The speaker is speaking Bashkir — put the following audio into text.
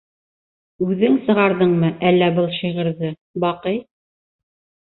— Үҙең сығарҙыңмы әллә был шиғырҙы, Баҡый?